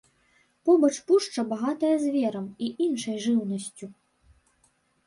Побач пушча багатая зверам і іншай жыўнасцю.